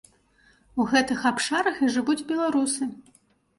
У гэтых абшарах і жывуць беларусы.